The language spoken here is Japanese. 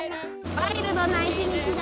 ワイルドな一日だ。